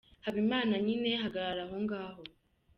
Me Habimana: “Nyine hagarara aho ngaho”